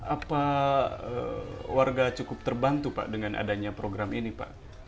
apa warga cukup terbantu pak dengan adanya program ini pak